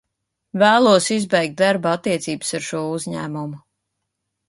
Vēlos izbeigt darba attiecības ar šo uzņēmumu.